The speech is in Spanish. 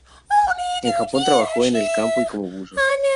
En Japón trabajó en el campo y como buzo.